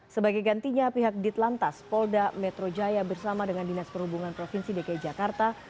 sebagai gantinya pihak ditlantas polda metro jaya bersama dengan dinas perhubungan provinsi dki jakarta